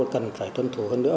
cần phải tuân thủ hơn nữa